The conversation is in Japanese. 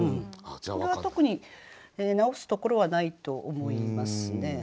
これは特に直すところはないと思いますね。